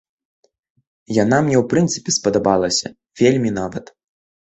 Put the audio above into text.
Яна мне ў прынцыпе спадабалася, вельмі нават.